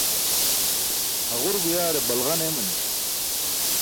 Haġur guyaare balġan eemani̇ṣ.